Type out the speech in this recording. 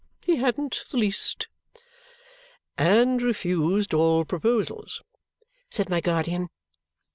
He hadn't the least." "And refused all proposals," said my guardian.